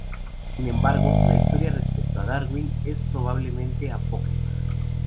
Sin embargo, la historia respecto a Darwin es probablemente apócrifa.